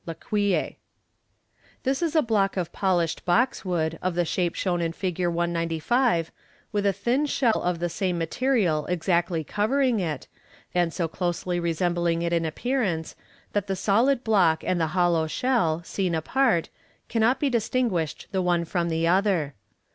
(Laquille). — This is a block of polished box wood, of the shape shown in Fig. 19 <;, with a thin shell of *he same material exactly covering it, and so closely resembling it in appearance, that the solid block and the hollow shell, seen apart, cannot be dis tinguished the one from the other.